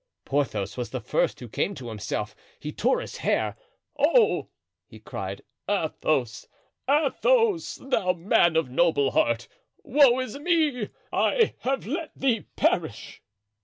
Porthos was the first who came to himself. He tore his hair. "Oh!" he cried, "Athos! Athos! thou man of noble heart; woe is me! I have let thee perish!"